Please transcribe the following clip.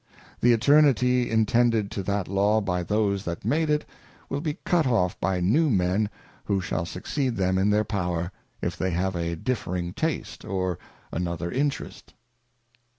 The eternity intended to that Law by those that made it, will be cut off by neiv Men who shall succeed them in their power, if they have a differing Taste, or another Interest.